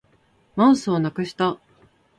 マウスをなくした